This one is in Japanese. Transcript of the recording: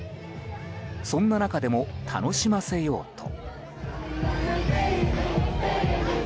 そんな中でも楽しませようと。